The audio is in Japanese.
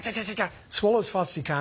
そう。